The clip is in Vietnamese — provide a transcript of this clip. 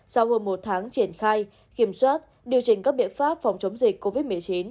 sau hơn một tháng triển khai kiểm soát điều chỉnh các biện pháp phòng chống dịch covid một mươi chín